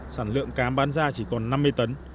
sản lượng cám bán ra chỉ còn năm mươi tấn